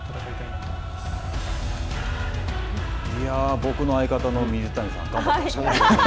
僕の相方の水谷さん、頑張ってましたね。